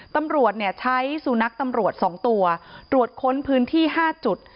ตำรวจใช้สุนัขตำรวจ๒ตัวตรวจค้นพื้นที่๕จุด